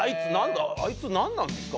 「あいつなんなんですか？